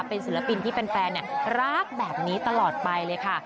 เป็นศิลปินที่แฟนรักแบบนี้ตลอดไปเลยค่ะ